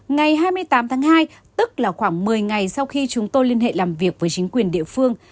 ngày hai mươi tám tháng hai tức là khoảng một mươi ngày sau khi chúng tôi liên hệ làm việc với chính quyền địa phương